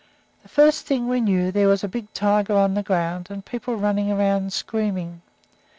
The first thing we knew, there was a big tiger on the ground, and people running about and screaming.